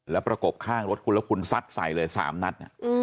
แล้วประกบข้างรถคุณแล้วคุณซัดใส่เลย๓นัด